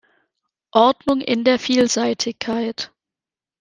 Ordnung in der Vielseitigkeit.